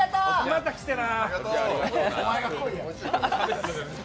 また来てな。